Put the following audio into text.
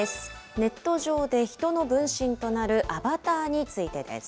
ネット上で人の分身となるアバターについてです。